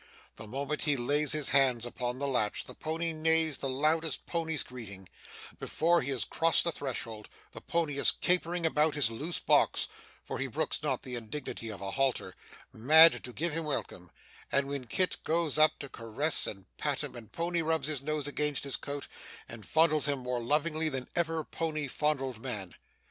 The moment he lays his hand upon the latch, the pony neighs the loudest pony's greeting; before he has crossed the threshold, the pony is capering about his loose box (for he brooks not the indignity of a halter), mad to give him welcome; and when Kit goes up to caress and pat him, the pony rubs his nose against his coat, and fondles him more lovingly than ever pony fondled man.